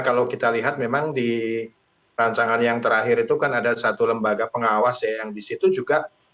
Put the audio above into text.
kalau kita lihat memang di rancangan yang terakhir itu kan ada satu lembaga pengawas yang disitu juga